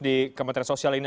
di kementerian sosial ini